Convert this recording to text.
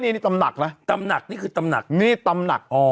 นี่นี่ตำหนักนะตำหนักนี่คือตำหนักนี่ตำหนักอ๋อ